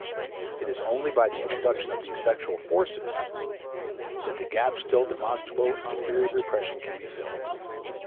It is only by the introduction of these sexual forces that the gaps still demonstrable in the theory of repression can be filled.